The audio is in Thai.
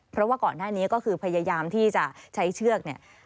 เพราะว่าก่อนหน้านี้ก็คือพยายามที่จะใช้เชือกเนี่ย